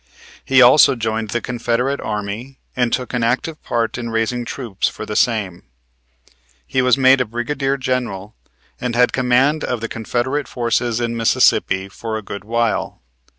He also joined the Confederate Army and took an active part in raising troops for the same. He was made brigadier general, and had command of the Confederate forces in Mississippi for a good while.